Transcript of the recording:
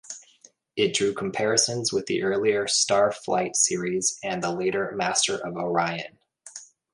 It drew comparisons with the earlier "Starflight" series and the later "Master of Orion".